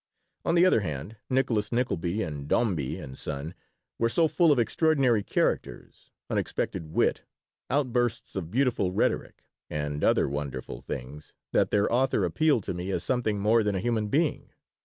On the other hand, Nicholas Nickleby and Dombey and Son were so full of extraordinary characters, unexpected wit, outbursts of beautiful rhetoric, and other wonderful things, that their author appealed to me as something more than a human being.